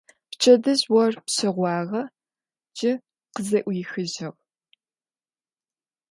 Пчэдыжь ор пщэгъуагъэ, джы къызэӏуихыжьыгъ.